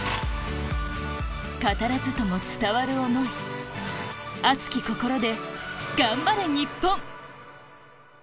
語らずとも伝わる思い熱き心で頑張れ日本！